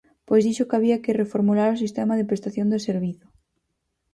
Pois dixo que había que reformular o sistema de prestación do servizo.